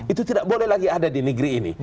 itu tidak boleh lagi ada di negeri ini